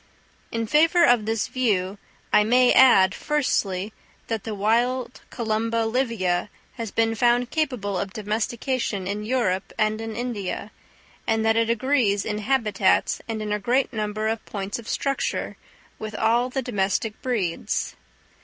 In favour of this view, I may add, firstly, that the wild C. livia has been found capable of domestication in Europe and in India; and that it agrees in habits and in a great number of points of structure with all the domestic breeds.